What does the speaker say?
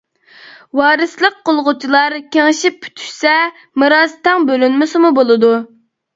ۋارىسلىق قىلغۇچىلار كېڭىشىپ پۈتۈشسە، مىراس تەڭ بۆلۈنمىسىمۇ بولىدۇ.